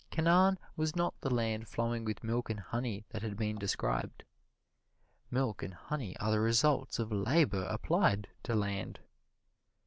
Canaan was not the land flowing with milk and honey that had been described. Milk and honey are the results of labor applied to land.